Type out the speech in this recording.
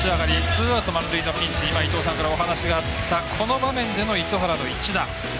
ツーアウト満塁のピンチ伊東さんからお話があった、この場面での糸原の一打。